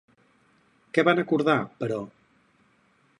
Què van acordar, però?